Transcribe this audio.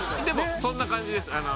でもそんな感じです。